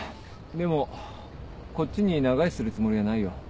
でもこっちに長居するつもりはないよ。